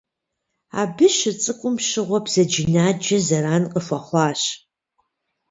Абы щыцӏыкӏум щыгъуэ бзаджэнаджэ зэран къыхуэхъуащ.